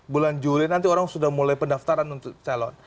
bulan juli nanti orang sudah mulai pendaftaran untuk calon